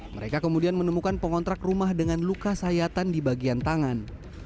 mereka kemudian menemukan pengontrak rumah dengan luka sayatan di bagian tangan